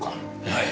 はい。